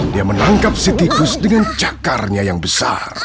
dia menangkap sitikus dengan cakarnya yang besar